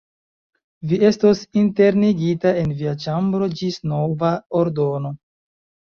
Vi estos internigita en via ĉambro ĝis nova ordono.